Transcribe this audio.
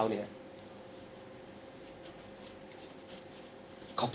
กอบสนุกอยากจะเป็นเจอ